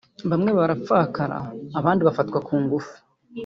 bamwe barapfakara abandi bafatwa ku ngufu